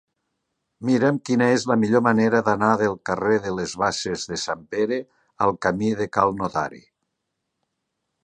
Mira'm quina és la millor manera d'anar del carrer de les Basses de Sant Pere al camí de Cal Notari.